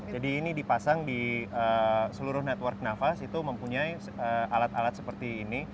jadi ini dipasang di seluruh network nafas itu mempunyai alat alat seperti ini